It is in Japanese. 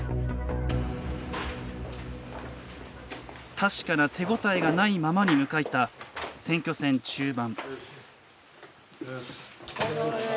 確かな手応えがないままに迎えた選挙戦中盤。